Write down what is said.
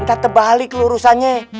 entah terbalik lurusannya